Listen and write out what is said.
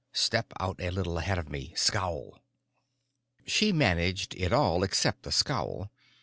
Step out a little ahead of me. Scowl." She managed it all except the scowl.